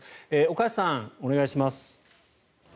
岡安さん、お願いします。